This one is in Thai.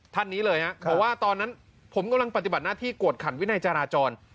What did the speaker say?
ท่านนี้เลยบอกว่าตอนนั้นผมกำลังปฏิบัติหน้าที่กวดขันวินัยจราจร